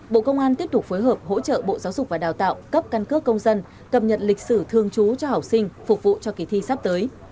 bộ công an tiếp tục phối hợp hỗ trợ bộ giáo dục và đào tạo cấp căn cước công dân cập nhật lịch sử thương chú cho học sinh phục vụ cho kỳ thi sắp tới